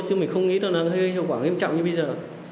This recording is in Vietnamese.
chứ mình không nghĩ là nó gây hiệu quả nghiêm trọng như bây giờ